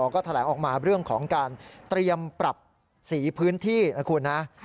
ก็แถลงออกมาเรื่องของการเตรียมปรับสีพื้นที่นะคุณนะ